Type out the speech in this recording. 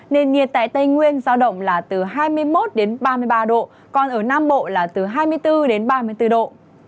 nền nhiệt tại tây nguyên giao động là từ hai mươi một đến ba mươi ba độ còn ở nam bộ là từ hai mươi bốn đến ba mươi bốn độ